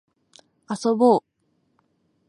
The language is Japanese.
遊ぼう